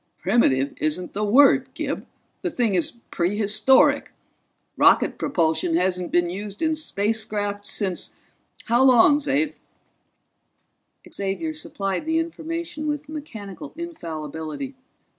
"Primitive isn't the word, Gib the thing is prehistoric! Rocket propulsion hasn't been used in spacecraft since how long, Xav?" Xavier supplied the information with mechanical infallibility.